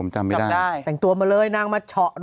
จำได้หรอ